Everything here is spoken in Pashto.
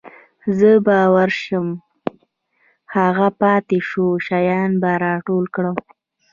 زه به ورشم هغه پاتې شوي شیان به راټول کړم.